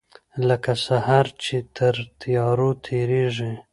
لکه سحر چې تر تیارو تیریږې